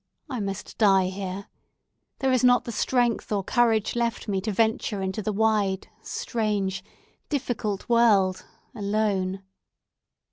I must die here! There is not the strength or courage left me to venture into the wide, strange, difficult world alone!"